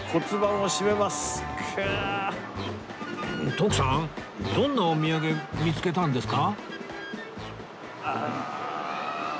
徳さんどんなお土産見つけたんですか？